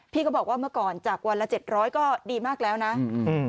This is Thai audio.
พี่ก็บอกว่าเมื่อก่อนจากวันละเจ็ดร้อยก็ดีมากแล้วนะอืม